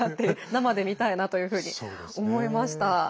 生で見たいなっていうふうに思いました。